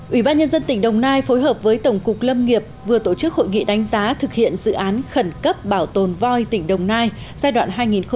ủy ban nhân dân tỉnh đồng nai phối hợp với tổng cục lâm nghiệp vừa tổ chức hội nghị đánh giá thực hiện dự án khẩn cấp bảo tồn voi tỉnh đồng nai giai đoạn hai nghìn một mươi sáu hai nghìn hai mươi